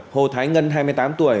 hồ thái ngân hai mươi tám tuổi